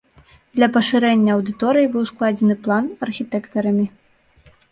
Для пашырэння аўдыторыі быў складзены план архітэктарамі.